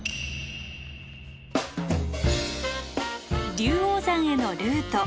龍王山へのルート。